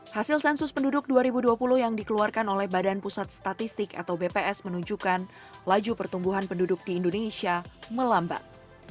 hasil sensus penduduk dua ribu dua puluh yang dikeluarkan oleh badan pusat statistik atau bps menunjukkan laju pertumbuhan penduduk di indonesia melambat